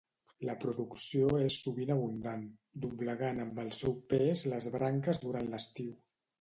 La producció és sovint abundant, doblegant amb el seu pes les branques durant l'estiu.